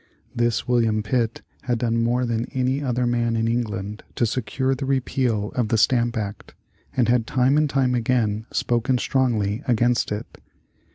This William Pitt had done more than any other man in England to secure the repeal of the Stamp Act, and had time and time again spoken strongly against it.